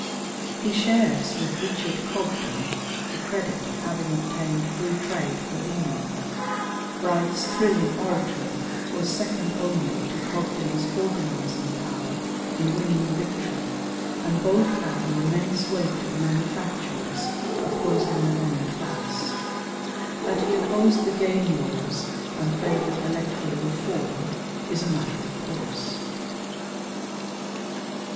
He shares with Richard Cobden the credit of having obtained free trade for England: Bright's thrilling oratory was second only to Cobden's organizing power in winning the victory, and both had the immense weight of manufacturers opposing their own class. That he opposed the game laws and favored electoral reform is a matter of course.